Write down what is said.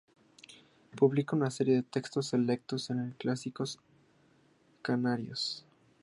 Publica una serie de textos selectos de los Clásicos Canarios.